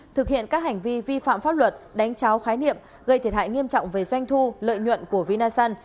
thực hiện các hành vi vi phạm pháp luật đánh cháo khái niệm gây thiệt hại nghiêm trọng về doanh thu lợi nhuận của vinasun